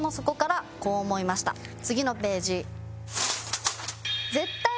次のページ。